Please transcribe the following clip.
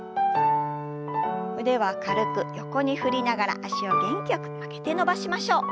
腕は軽く横に振りながら脚を元気よく曲げて伸ばしましょう。